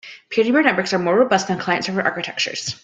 Peer-to-peer networks are more robust than client-server architectures.